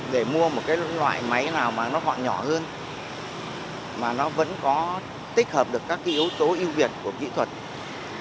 để mua một cái loại máy nào mà nó gọn nhỏ hơn mà nó vẫn có tích hợp được các cái yếu tố ưu việt của kỹ thuật